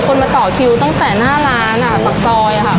คนมาต่อคิวตั้งแต่หน้าร้านอะตักซอยอะค่ะ